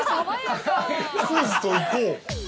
◆「クイズといこう！」